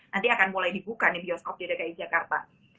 nanti akan mulai dibuka nih bioskop di dki jakarta